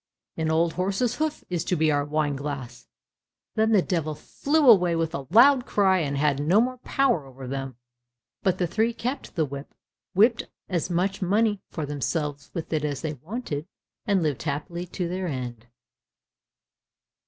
"An old horse's hoof is to be our wineglass." Then the Devil flew away with a loud cry, and had no more power over them, but the three kept the whip, whipped as much money for themselves with it as they wanted, and lived happily to their end.